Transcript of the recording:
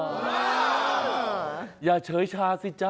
อย่าเฉยชาสิจ๊ะ